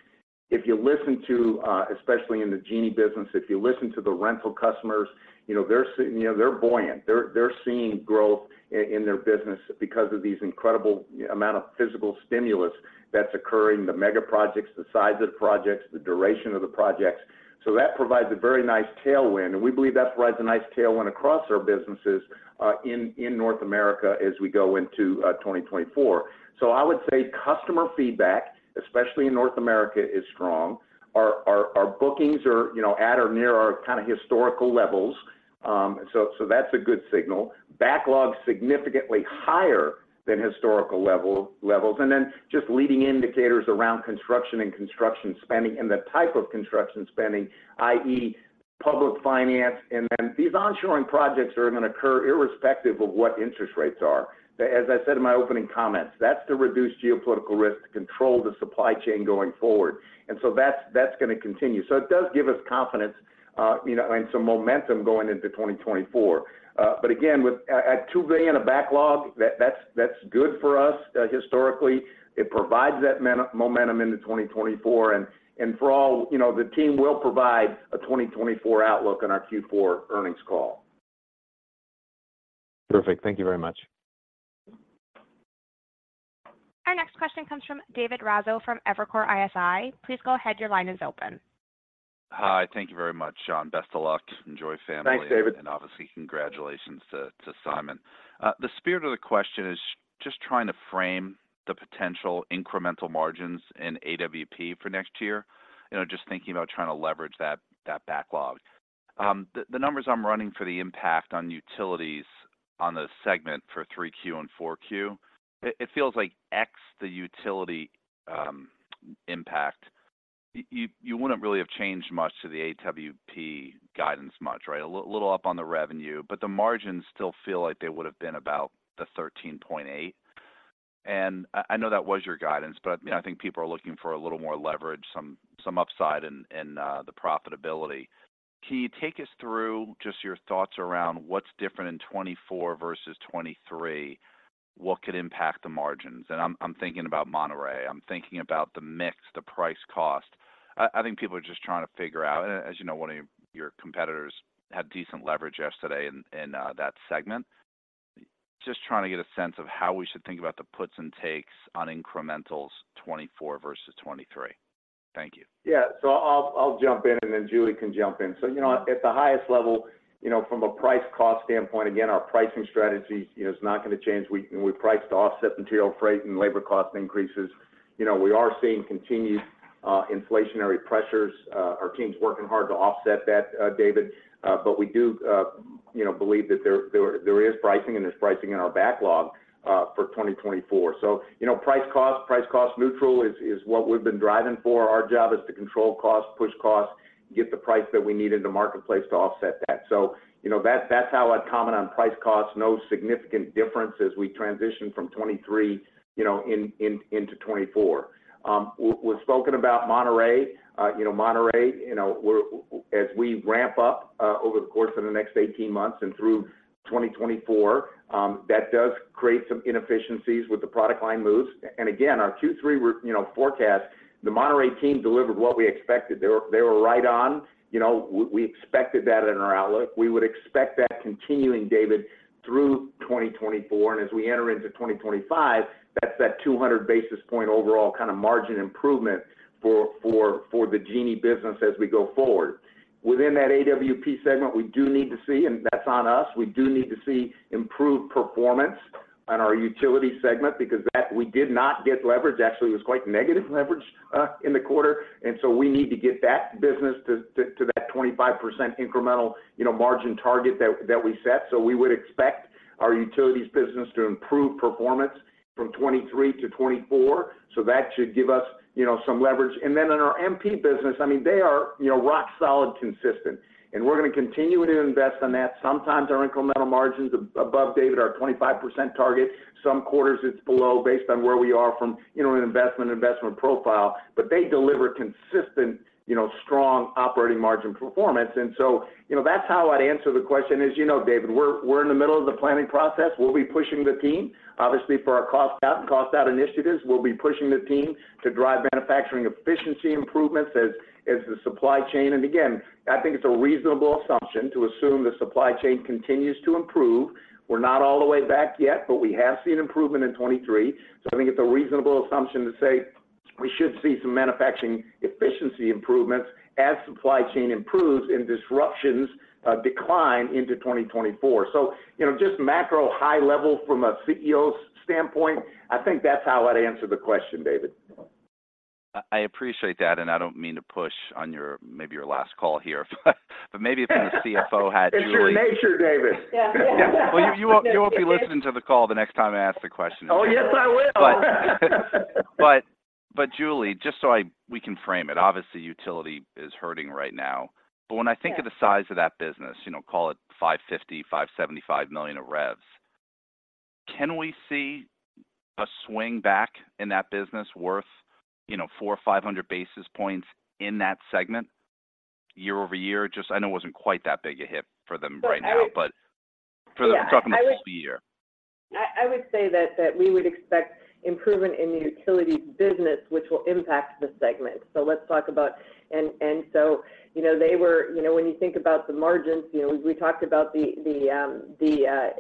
If you listen to, especially in the Genie business, if you listen to the rental customers, you know, they're sitting—you know, they're buoyant. They're seeing growth in their business because of these incredible amount of physical stimulus that's occurring, the mega projects, the size of the projects, the duration of the projects. So that provides a very nice tailwind, and we believe that provides a nice tailwind across our businesses, in North America as we go into 2024. So I would say customer feedback, especially in North America, is strong. Our bookings are, you know, at or near our kind of historical levels, so that's a good signal. Backlog significantly higher than historical levels, and then just leading indicators around construction and construction spending and the type of construction spending, i.e., public finance. And then these onshoring projects are going to occur irrespective of what interest rates are. As I said in my opening comments, that's to reduce geopolitical risk, to control the supply chain going forward. And so that's going to continue. So it does give us confidence, you know, and some momentum going into 2024. But again, with $2 billion of backlog, that's good for us. Historically, it provides that momentum into 2024, and for all... You know, the team will provide a 2024 outlook on our Q4 earnings call. Perfect. Thank you very much. Our next question comes from David Raso from Evercore ISI. Please go ahead. Your line is open. Hi. Thank you very much, John. Best of luck. Enjoy family- Thanks, David. Obviously, congratulations to Simon. The spirit of the question is just trying to frame the potential incremental margins in AWP for next year. You know, just thinking about trying to leverage that backlog. The numbers I'm running for the impact on utilities on the segment for 3Q and 4Q, it feels like, excluding the utility impact, you wouldn't really have changed much to the AWP guidance, right? A little up on the revenue, but the margins still feel like they would have been about the 13.8. And I know that was your guidance, but, you know, I think people are looking for a little more leverage, some upside and the profitability. Can you take us through just your thoughts around what's different in 2024 versus 2023? What could impact the margins? I'm thinking about Monterrey. I'm thinking about the mix, the price cost. I think people are just trying to figure out, as you know, one of your competitors had decent leverage yesterday in that segment. Just trying to get a sense of how we should think about the puts and takes on incrementals 2024 versus 2023. Thank you. Yeah. So I'll jump in, and then Julie can jump in. So, you know, at the highest level, you know, from a price cost standpoint, again, our pricing strategy, you know, is not going to change. We priced to offset material freight and labor cost increases. You know, we are seeing continued inflationary pressures. Our team's working hard to offset that, David, but we do, you know, believe that there is pricing, and there's pricing in our backlog for 2024. So, you know, price cost neutral is what we've been driving for. Our job is to control costs, push costs, get the price that we need in the marketplace to offset that. So, you know, that's how I'd comment on price costs. No significant difference as we transition from 2023, you know, in, in, into 2024. We've spoken about Monterrey. You know, Monterrey, you know, we're as we ramp up over the course of the next 18 months and through 2024, that does create some inefficiencies with the product line moves. And again, our Q3, you know, forecast, the Monterrey team delivered what we expected. They were, they were right on. You know, we, we expected that in our outlook. We would expect that continuing, David, through 2024, and as we enter into 2025, that's that 200 basis point overall kind of margin improvement for the Genie business as we go forward. Within that AWP segment, we do need to see, and that's on us, we do need to see improved performance on our utility segment because that we did not get leverage. Actually, it was quite negative leverage in the quarter, and so we need to get that business to that 25% incremental, you know, margin target that we set. So we would expect our utilities business to improve performance from 2023 to 2024, so that should give us, you know, some leverage. And then in our MP business, I mean, they are, you know, rock solid, consistent, and we're going to continue to invest on that. Sometimes our incremental margins above, David, are 25% target. Some quarters, it's below, based on where we are from, you know, an investment profile, but they deliver consistent, you know, strong operating margin performance. So, you know, that's how I'd answer the question is, you know, David, we're, we're in the middle of the planning process. We'll be pushing the team, obviously, for our cost out, cost out initiatives. We'll be pushing the team to drive manufacturing efficiency improvements as, as the supply chain. And again, I think it's a reasonable assumption to assume the supply chain continues to improve. We're not all the way back yet, but we have seen improvement in 2023. So I think it's a reasonable assumption to say we should see some manufacturing efficiency improvements as supply chain improves and disruptions decline into 2024. So, you know, just macro, high level from a CEO's standpoint, I think that's how I'd answer the question, David. I appreciate that, and I don't mean to push on your, maybe your last call here, but maybe if you're the CFO hat, Julie- It's your nature, David. Yeah. Well, you won't, you won't be listening to the call the next time I ask the question. Oh, yes, I will. But, Julie, just so we can frame it, obviously, Utilities is hurting right now. Yeah. But when I think of the size of that business, you know, call it $550 million-$575 million of revs, can we see a swing back in that business worth, you know, 400 basis points or 500 basis points in that segment year-over-year? Just, I know it wasn't quite that big a hit for them right now- Well, I- But for the full year. I would say that we would expect improvement in the utilities business, which will impact the segment. So let's talk about. And so, you know, they were—you know, when you think about the margins, you know, we talked about the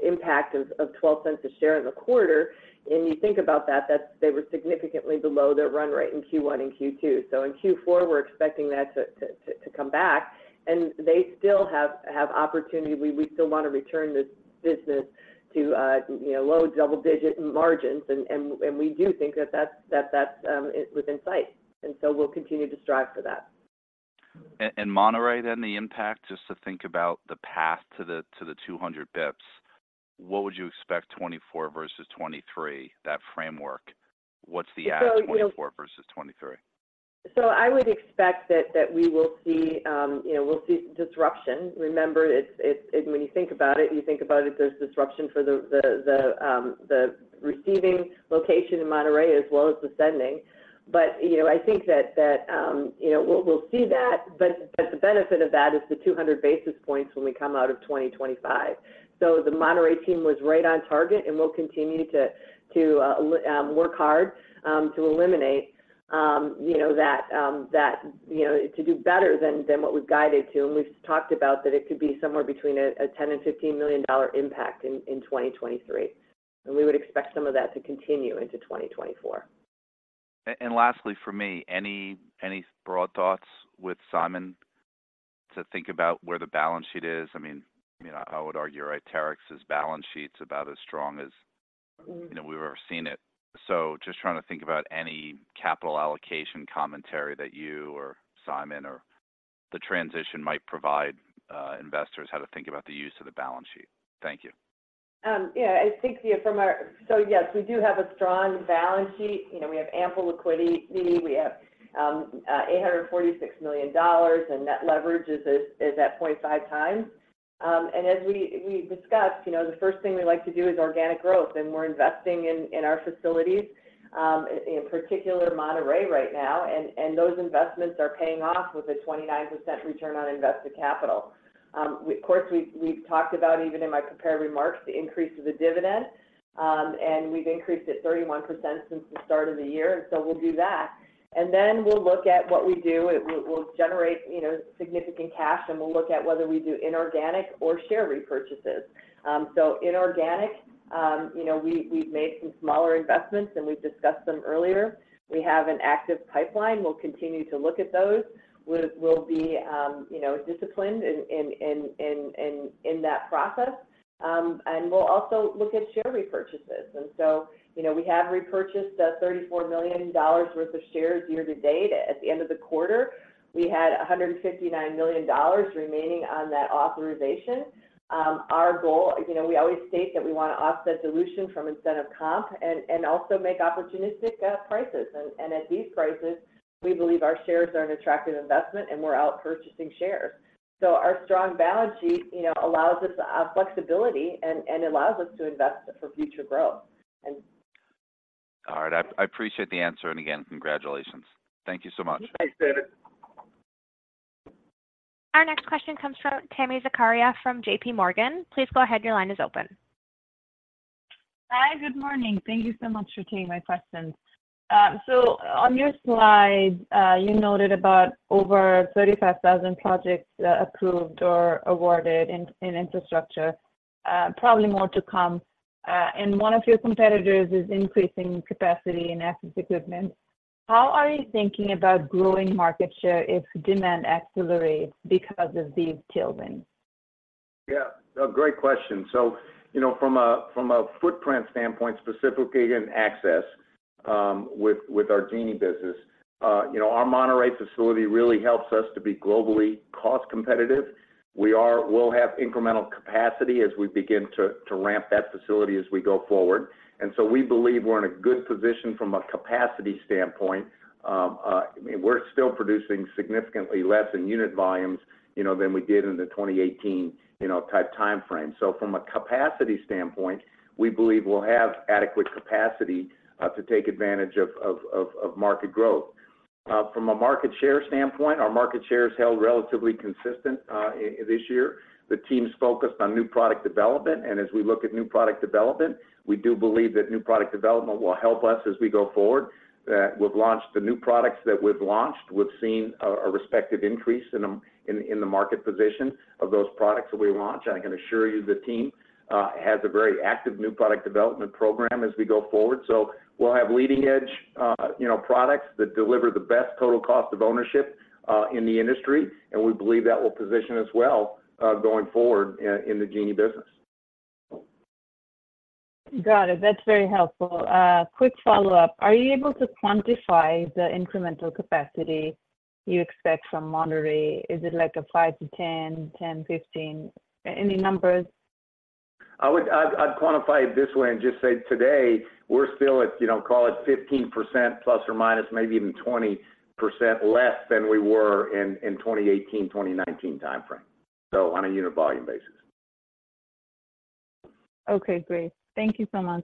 impact of 12 cents a share in the quarter, and you think about that, that's—they were significantly below their run rate in Q1 and Q2. So in Q4, we're expecting that to come back, and they still have opportunity. We still want to return this business to, you know, low double-digit margins, and we do think that that's within sight, and so we'll continue to strive for that. AWP and Monterrey, then the impact, just to think about the path to the 200 basis points, what would you expect 2024 versus 2023, that framework? What's the AWP 2024 versus 2023? So I would expect that we will see, you know, we'll see disruption. Remember, it's, it's—when you think about it, you think about it, there's disruption for the, the, the, the receiving location in Monterrey as well as the sending. But, you know, I think that, that, you know, we'll, we'll see that, but, but the benefit of that is the 200 basis points when we come out of 2025. So the Monterrey team was right on target, and we'll continue to, to, work hard, to eliminate, you know, that, that, you know, to do better than what we've guided to. And we've talked about that it could be somewhere between a 10 million dollar and 15 million dollar impact in 2023, and we would expect some of that to continue into 2024. And lastly, for me, any broad thoughts with Simon to think about where the balance sheet is? I mean, you know, I would argue, right, Terex's balance sheet's about as strong as- Mm... you know, we've ever seen it. So just trying to think about any capital allocation commentary that you or Simon or the transition might provide, investors, how to think about the use of the balance sheet. Thank you. Yeah, I think from our-- so yes, we do have a strong balance sheet. You know, we have ample liquidity. We have $846 million, and net leverage is at 0.5x. And as we discussed, you know, the first thing we like to do is organic growth, and we're investing in our facilities, in particular, Monterrey right now. And those investments are paying off with a 29% return on invested capital. Of course, we've talked about, even in my prepared remarks, the increase of the dividend, and we've increased it 31% since the start of the year. And so we'll do that, and then we'll look at what we do. It-- we'll generate, you know, significant cash, and we'll look at whether we do inorganic or share repurchases. So inorganic, you know, we, we've made some smaller investments, and we've discussed them earlier. We have an active pipeline. We'll continue to look at those. We'll be, you know, disciplined in that process, and we'll also look at share repurchases. And so, you know, we have repurchased $34 million worth of shares year to date. At the end of the quarter, we had $159 million remaining on that authorization. Our goal, you know, we always state that we want to offset dilution from incentive comp and also make opportunistic prices. And at these prices, we believe our shares are an attractive investment, and we're out purchasing shares. So our strong balance sheet, you know, allows us flexibility and allows us to invest for future growth. And- All right. I appreciate the answer, and again, congratulations. Thank you so much. Thanks, David. Our next question comes from Tami Zakaria from JP Morgan. Please go ahead. Your line is open. Hi, good morning. Thank you so much for taking my questions. So on your slide, you noted about over 35,000 projects, approved or awarded in infrastructure, probably more to come, and one of your competitors is increasing capacity in assets equipment. How are you thinking about growing market share if demand accelerates because of these tailwinds? Yeah, a great question. So, you know, from a footprint standpoint, specifically with our Genie business, you know, our Monterrey facility really helps us to be globally cost competitive. We'll have incremental capacity as we begin to ramp that facility as we go forward. And so we believe we're in a good position from a capacity standpoint. We're still producing significantly less in unit volumes, you know, than we did in the 2018 type time frame. So from a capacity standpoint, we believe we'll have adequate capacity to take advantage of market growth. From a market share standpoint, our market share has held relatively consistent this year. The team's focused on new product development, and as we look at new product development, we do believe that new product development will help us as we go forward. We've launched the new products that we've launched, we've seen a respective increase in them, in the market position of those products that we launched. I can assure you the team has a very active new product development program as we go forward. So we'll have leading-edge, you know, products that deliver the best total cost of ownership in the industry, and we believe that will position us well going forward in the Genie business. Got it. That's very helpful. Quick follow-up: Are you able to quantify the incremental capacity you expect from Monterrey? Is it like a 5-10, 10, 15? Any numbers? I'd quantify it this way and just say today, we're still at, you know, call it 15% ±, maybe even 20% less than we were in 2018, 2019 timeframe, so on a unit volume basis. Okay, great. Thank you so much.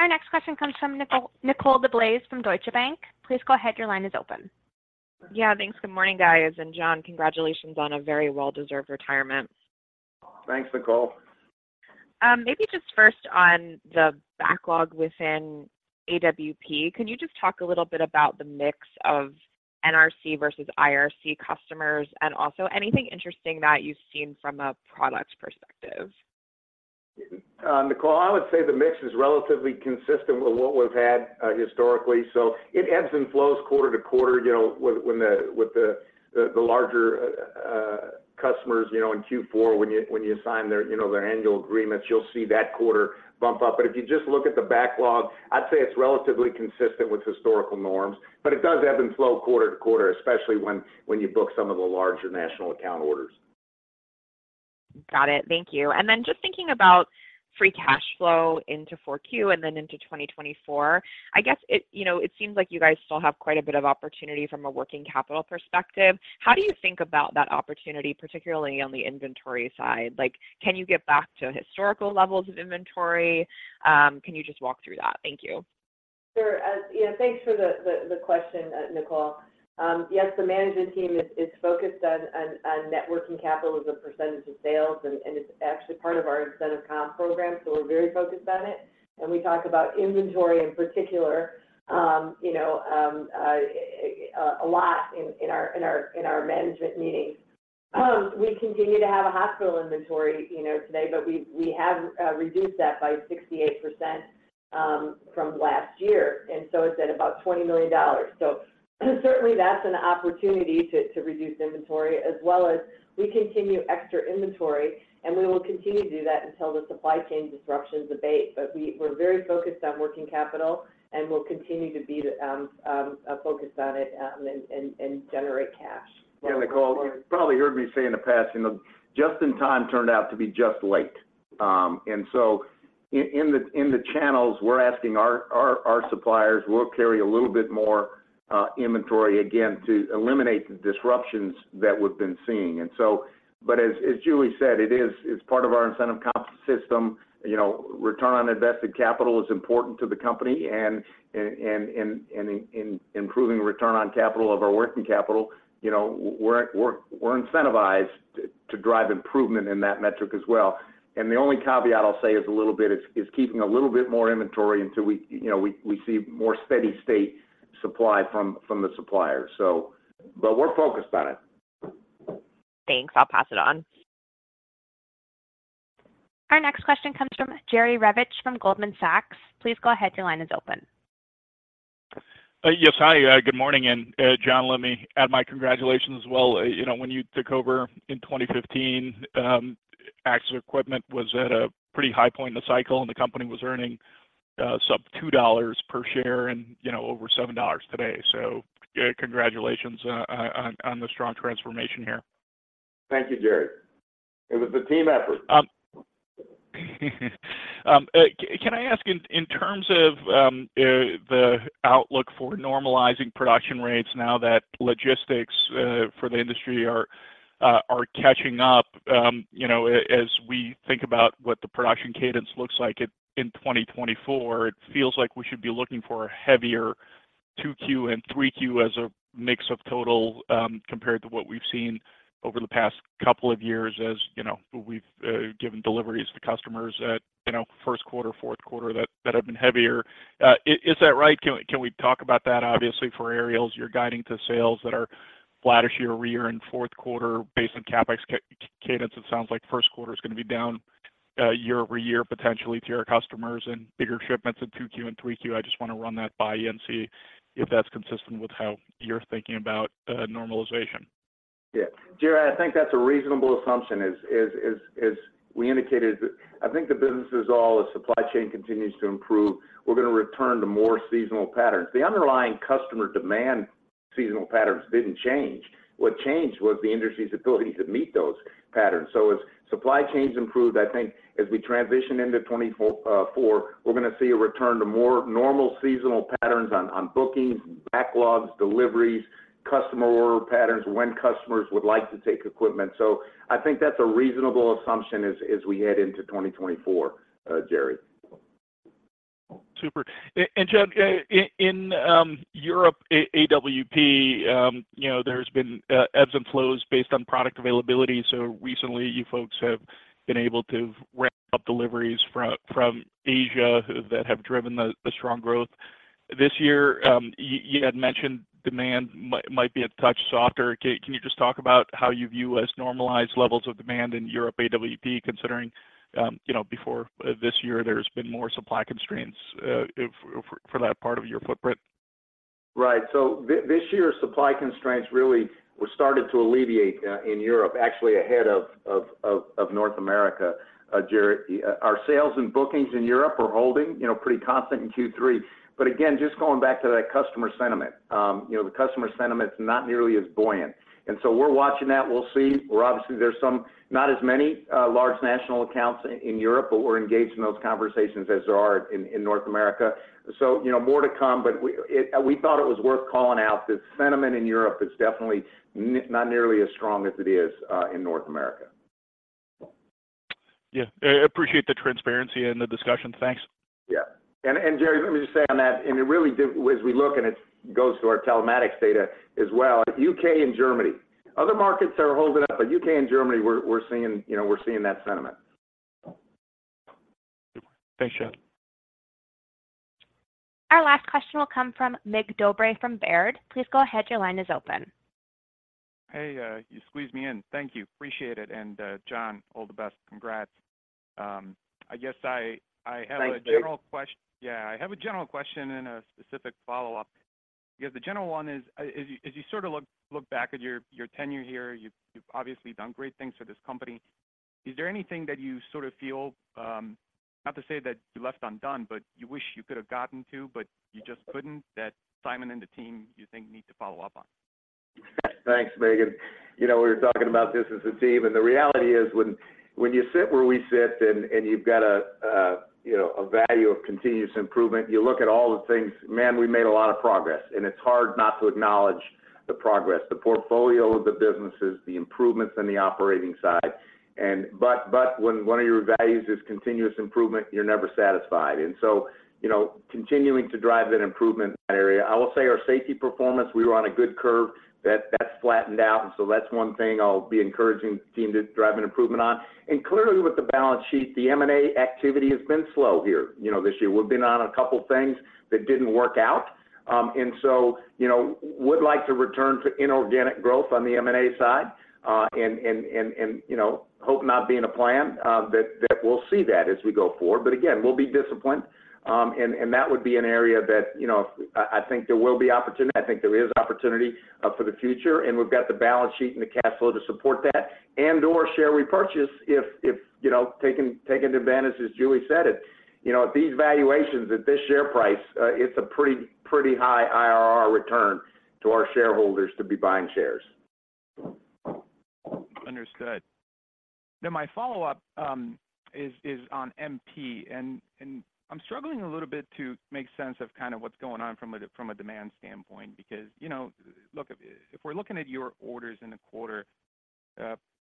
Our next question comes from Nicole, Nicole DeBlase from Deutsche Bank. Please go ahead. Your line is open. Yeah, thanks. Good morning, guys. John, congratulations on a very well-deserved retirement. Thanks, Nicole. Maybe just first on the backlog within AWP, can you just talk a little bit about the mix of NRC versus IRC customers, and also anything interesting that you've seen from a product perspective? Nicole, I would say the mix is relatively consistent with what we've had historically. So it ebbs and flows quarter to quarter, you know, with the larger customers, you know, in Q4, when you sign their, you know, their annual agreements, you'll see that quarter bump up. But if you just look at the backlog, I'd say it's relatively consistent with historical norms, but it does ebb and flow quarter to quarter, especially when you book some of the larger national account orders. Got it. Thank you. And then just thinking about Free Cash Flow into 4Q and then into 2024, I guess it, you know, it seems like you guys still have quite a bit of opportunity from a working capital perspective. How do you think about that opportunity, particularly on the inventory side? Like, can you get back to historical levels of inventory? Can you just walk through that? Thank you. Sure. Yeah, thanks for the question, Nicole. Yes, the management team is focused on net working capital as a percentage of sales, and it's actually part of our incentive comp program, so we're very focused on it. And we talk about inventory in particular, you know, a lot in our management meetings. We continue to have higher inventory, you know, today, but we've reduced that by 68% from last year, and so it's at about $20 million. So certainly, that's an opportunity to reduce inventory, as we continue to extract inventory, and we will continue to do that until the supply chain disruptions abate. But we're very focused on working capital, and we'll continue to be focused on it, and generate cash. Yeah, Nicole, you probably heard me say in the past, you know, just in time turned out to be just late. In the channels, we're asking our suppliers will carry a little bit more inventory, again, to eliminate the disruptions that we've been seeing. But as Julie said, it is, it's part of our incentive comp system. You know, return on invested capital is important to the company and in improving return on capital of our working capital, you know, we're incentivized to drive improvement in that metric as well. And the only caveat I'll say is a little bit is keeping a little bit more inventory until we, you know, we see more steady state supply from the suppliers. But we're focused on it. Thanks. I'll pass it on. Our next question comes from Jerry Revich from Goldman Sachs. Please go ahead. Your line is open. Yes. Hi, good morning. John, let me add my congratulations as well. You know, when you took over in 2015, Terex was at a pretty high point in the cycle, and the company was earning sub $2 per share and, you know, over $7 today. So, congratulations on the strong transformation here. Thank you, Jerry. It was a team effort. Can I ask in terms of the outlook for normalizing production rates now that logistics for the industry are catching up, you know, as we think about what the production cadence looks like in 2024, it feels like we should be looking for a heavier 2Q and 3Q as a mix of total, compared to what we've seen over the past couple of years, as, you know, we've given deliveries to customers at, you know, first quarter, fourth quarter, that have been heavier. Is that right? Can we talk about that? Obviously, for Aerials, you're guiding to sales that are flattish year-over-year in fourth quarter based on CapEx cadence. It sounds like first quarter is going to be down, year-over-year, potentially to your customers and bigger shipments in 2Q and 3Q. I just want to run that by you and see if that's consistent with how you're thinking about normalization.... Yeah, Jerry, I think that's a reasonable assumption. As we indicated, I think the business is all the supply chain continues to improve. We're gonna return to more seasonal patterns. The underlying customer demand seasonal patterns didn't change. What changed was the industry's ability to meet those patterns. So as supply chains improved, I think as we transition into 2024, we're gonna see a return to more normal seasonal patterns on bookings, backlogs, deliveries, customer order patterns, when customers would like to take equipment. So I think that's a reasonable assumption as we head into 2024, Jerry. Super. And, John, in Europe, AWP, you know, there's been ebbs and flows based on product availability. So recently, you folks have been able to ramp up deliveries from Asia that have driven the strong growth. This year, you had mentioned demand might be a touch softer. Can you just talk about how you view as normalized levels of demand in Europe AWP, considering, you know, before this year, there's been more supply constraints, if, for that part of your footprint? Right. So this year, supply constraints really were started to alleviate in Europe, actually ahead of North America. Jerry, our sales and bookings in Europe are holding, you know, pretty constant in Q3. But again, just going back to that customer sentiment, you know, the customer sentiment is not nearly as buoyant. And so we're watching that. We'll see. We're obviously, there's some not as many large national accounts in Europe, but we're engaged in those conversations as there are in North America. So, you know, more to come, but we thought it was worth calling out. The sentiment in Europe is definitely not nearly as strong as it is in North America. Yeah. I appreciate the transparency and the discussion. Thanks. Yeah. And, Jerry, let me just say on that. As we look, it goes to our telematics data as well, U.K. and Germany. Other markets are holding up, but U.K. and Germany, we're seeing, you know, we're seeing that sentiment. Thanks, John. Our last question will come from Mig Dobre from Baird. Please go ahead. Your line is open. Hey, you squeezed me in. Thank you. Appreciate it. And, John, all the best. Congrats. I guess I have a- Thanks, Mig. Yeah, I have a general question and a specific follow-up. Yeah, the general one is, as you sort of look back at your tenure here, you've obviously done great things for this company. Is there anything that you sort of feel, not to say that you left undone, but you wish you could have gotten to, but you just couldn't, that Simon and the team you think need to follow up on? Thanks, Mig. You know, we were talking about this as a team, and the reality is, when you sit where we sit and you've got a value of continuous improvement, you look at all the things, man, we made a lot of progress, and it's hard not to acknowledge the progress, the portfolio of the businesses, the improvements in the operating side. But when one of your values is continuous improvement, you're never satisfied. And so, you know, continuing to drive that improvement area. I will say our safety performance, we were on a good curve. That's flattened out, and so that's one thing I'll be encouraging the team to drive an improvement on. And clearly, with the balance sheet, the M&A activity has been slow here. You know, this year we've been on a couple of things that didn't work out. And so, you know, would like to return to inorganic growth on the M&A side, and you know, hope not be in a plan that we'll see that as we go forward. But again, we'll be disciplined, and that would be an area that, you know, I think there will be opportunity. I think there is opportunity for the future, and we've got the balance sheet and the cash flow to support that and/or share repurchase if you know, taking advantage, as Julie said it. You know, at these valuations, at this share price, it's a pretty, pretty high IRR return to our shareholders to be buying shares. Understood. Now, my follow-up is on MP, and I'm struggling a little bit to make sense of kind of what's going on from a demand standpoint, because, you know, look, if we're looking at your orders in a quarter,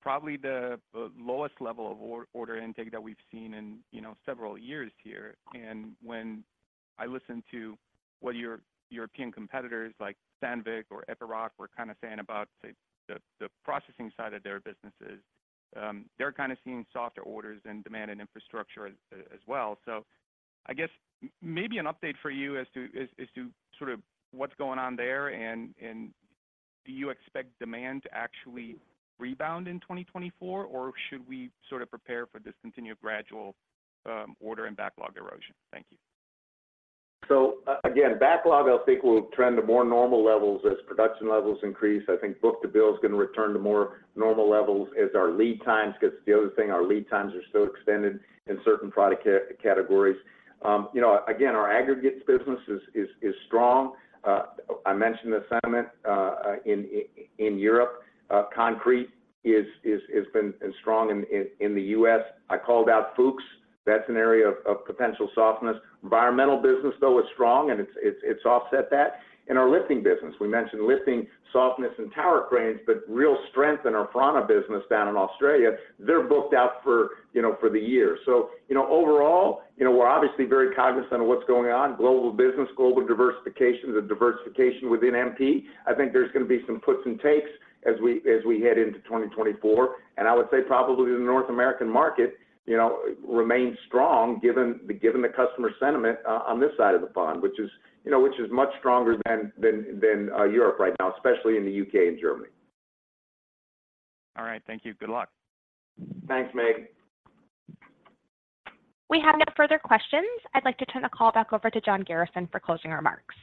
probably the lowest level of order intake that we've seen in several years here. And when I listen to what your European competitors, like Sandvik or Epiroc, were kind of saying about the processing side of their businesses, they're kind of seeing softer orders and demand in infrastructure as well. So I guess maybe an update for you as to what's going on there, and do you expect demand to actually rebound in 2024, or should we sort of prepare for this continued gradual order and backlog erosion? Thank you. Again, backlog, I think, will trend to more normal levels as production levels increase. I think book-to-bill is going to return to more normal levels as our lead times, because the other thing, our lead times are so extended in certain product categories. You know, again, our aggregates business is strong. I mentioned the sentiment in Europe. Concrete is strong in the U.S. I called out Fuchs. That's an area of potential softness. Environmental business, though, is strong, and it's offset that. In our lifting business, we mentioned lifting softness and tower cranes, but real strength in our Franna business down in Australia. They're booked out for the year. So, you know, overall, you know, we're obviously very cognizant of what's going on. Global business, global diversification, the diversification within MP. I think there's gonna be some puts and takes as we head into 2024, and I would say probably the North American market, you know, remains strong, given the customer sentiment on this side of the pond, which is, you know, which is much stronger than Europe right now, especially in the U.K. and Germany. All right. Thank you. Good luck. Thanks, Mig. We have no further questions. I'd like to turn the call back over to John Garrison for closing remarks.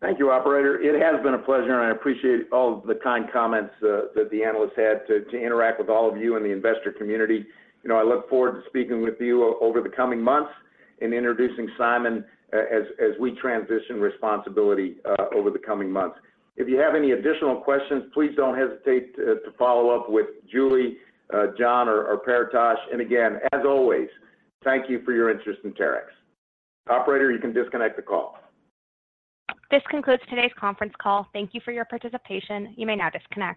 Thank you, operator. It has been a pleasure, and I appreciate all of the kind comments that the analysts had to interact with all of you in the investor community. You know, I look forward to speaking with you over the coming months and introducing Simon as we transition responsibility over the coming months. If you have any additional questions, please don't hesitate to follow up with Julie, John, or Paretosh. And again, as always, thank you for your interest in Terex. Operator, you can disconnect the call. This concludes today's conference call. Thank you for your participation. You may now disconnect.